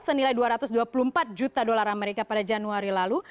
senilai dua ratus dua puluh empat juta dolar amerika pada januari lalu